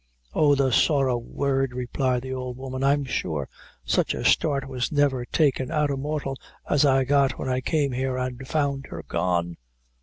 "Oh, the sorra word," replied the old woman; "I'm sure such a start was never taken out o' mortal as I got when I came here, and found her gone.